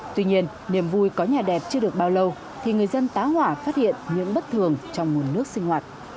tuy nhiên niềm vui có nhà đẹp chưa được bao lâu thì người dân tá hỏa phát hiện những bất thường trong nguồn nước sinh hoạt